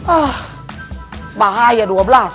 ah bahaya dua belas